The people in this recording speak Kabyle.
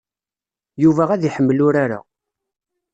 Yuba ad iḥemmel urar-a.